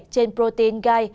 trên protein gai